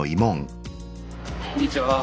こんにちは。